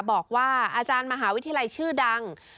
บอกว่าอาจารย์มหาวิทยาลัยชื่อดัง